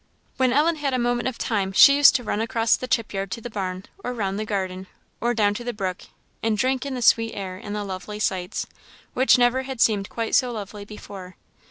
When Ellen had a moment of time she used to run across the chip yard to the barn, or round the garden, or down to the brook, and drink in the sweet air, and the lovely sights, which never had seemed quite so lovely before.